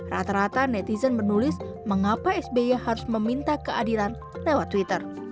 rata rata netizen menulis mengapa sby harus meminta keadilan lewat twitter